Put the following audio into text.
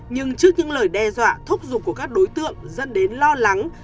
nhưng trước những lời đe dọa thúc giục của các đối tượng dẫn đến lo lắng